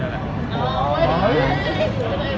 รอบของขวัญให้ครับ